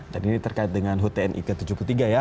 dan ini terkait dengan hutn ik tujuh puluh tiga ya